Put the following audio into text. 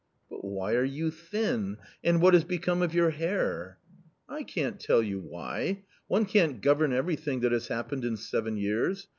" But why are you thin ? and what has become of your hair ?"" I can't tell you why .... one can't govern everything that has happened in seven years